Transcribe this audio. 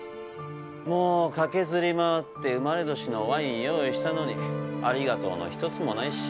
もう駆けずり回って生まれ年のワイン用意したのに「ありがとう」の一つもないし。